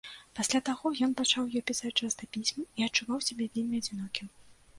Пасля таго ён пачаў ёй пісаць часта пісьмы і адчуваў сябе вельмі адзінокім.